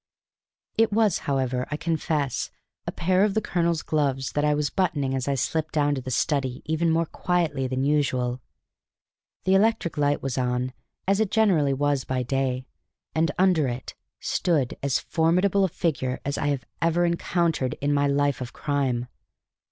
It was, however, I confess, a pair of the colonel's gloves that I was buttoning as I slipped down to the study even more quietly than usual. The electric light was on, as it generally was by day, and under it stood as formidable a figure as ever I encountered in my life of crime.